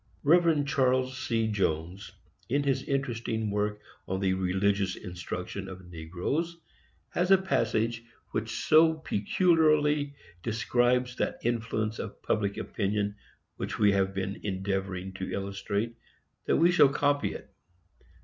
Rev. Charles C. Jones, in his interesting work on the Religious Instruction of Negroes, has a passage which so peculiarly describes that influence of public opinion which we have been endeavoring to illustrate, that we shall copy it.